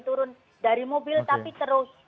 turun dari mobil tapi terus